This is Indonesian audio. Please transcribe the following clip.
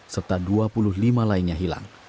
serta dua puluh lima lainnya hilang